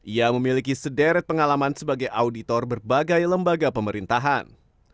ia memiliki sederet pengalaman sebagai auditor berbagai lembaga pemerintahan